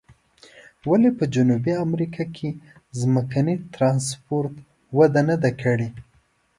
ولې په جنوبي امریکا کې ځمکني ترانسپورت وده نه ده کړې؟